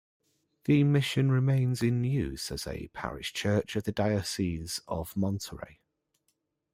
The mission remains in use as a parish church of the Diocese of Monterey.